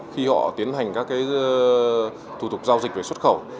khi họ tiến hành các thủ tục giao dịch về xuất khẩu